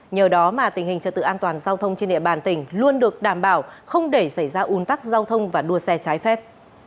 nhờ đó mà tình hình trật tự an toàn giao thông trên địa bàn tỉnh luôn được đảm bảo không để xảy ra un tắc giao thông và đua xe trái phép